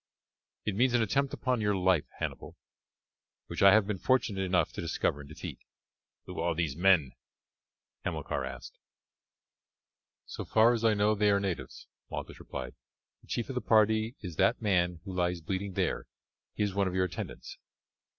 "It means an attempt upon your life, Hannibal, which I have been fortunate enough to discover and defeat." "Who are these men?" Hamilcar asked. "So far as I know they are natives," Malchus replied. "The chief of the party is that man who lies bleeding there; he is one of your attendants."